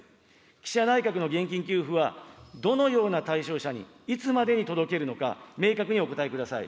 岸田内閣の現金給付は、どのような対象者に、いつまでに届けるのか、明確にお答えください。